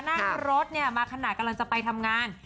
นั่งรถเนี่ยมาขนาดกำลังจะไปทำงาน